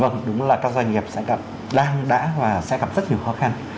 vâng đúng là các doanh nghiệp sẽ gặp đang đã và sẽ gặp rất nhiều khó khăn